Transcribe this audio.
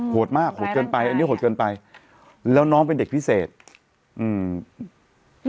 มากโหดเกินไปอันนี้โหดเกินไปแล้วน้องเป็นเด็กพิเศษอืม